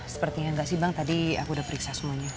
sepertinya nggak sih bang tadi aku udah periksa semuanya